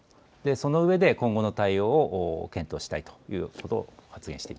その上で、今後の対応を検討したいということを発